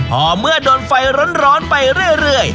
พอเมื่อโดนไฟร้อนไปเรื่อย